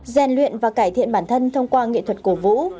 rèn luyện và cải thiện bản thân thông qua nghệ thuật cổ vũ